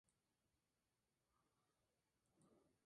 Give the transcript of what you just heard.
Juan Adán nació ya como príncipe heredero de Liechtenstein.